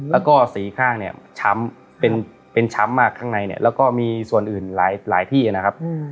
แล้วก็สีข้างเนี่ยช้ำเป็นช้ำมากข้างในเนี่ยแล้วก็มีส่วนอื่นหลายที่นะครับ